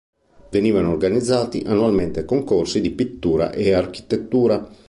Venivano organizzati annualmente concorsi di pittura e architettura.